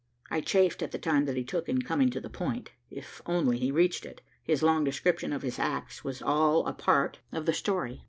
I chafed at the time that he took in coming to the point. If he only reached it, his long description of his acts was all a part of the story.